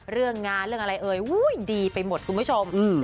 เรื่องงานเรื่องอะไรเอ่ยดีไปหมดคุณผู้ชม